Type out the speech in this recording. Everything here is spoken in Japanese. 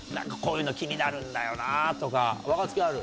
若槻ある？